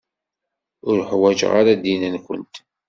Ur ḥwaǧeɣ ara ddin-nkent.